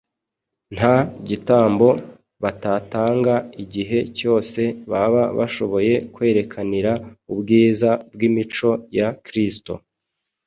nta gitambo batatanga igihe cyose baba bashoboye kwerekanira ubwiza bw’imico ya Kristo